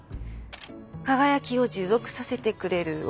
輝きを持続させてくれる鬼